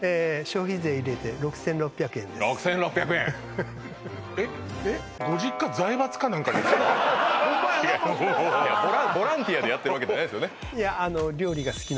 消費税入れて６６００円ほんまやなボランティアでやってるわけじゃないですよね